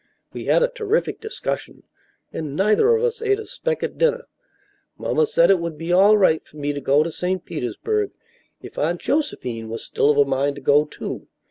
We had a terrific discussion and neither of us ate a speck at dinner. Mamma said it would be all right for me to go to St. Petersburg if Aunt Josephine was still of a mind to go, too.